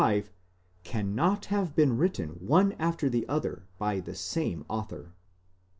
5, cannot have been written one after the other by the same author.!